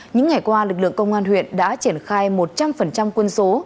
những ngày qua lực lượng công an huyện đã triển khai một trăm linh quân số